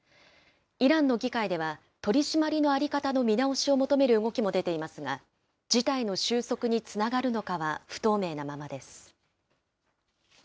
イランの議会では取締りの在り方の見直しを求める動きも出ていますが、事態の収束につながるのかは不透明なままです。